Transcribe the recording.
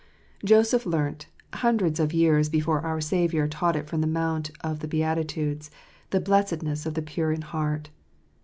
OSEPH learnt, hundreds of years before our Saviour taught it from the Mount of the Beati tudes, the blessedness of the pure in heart.